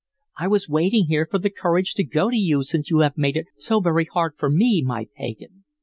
"I was waiting here for the courage to go to you since you have made it so very hard for me my pagan."